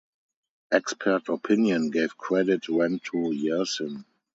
Expert opinion gave credit went to Yersin.